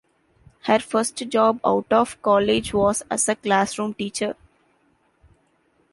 Her first job out of college was as a classroom teacher.